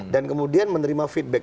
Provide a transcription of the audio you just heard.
dan kemudian menerima feedback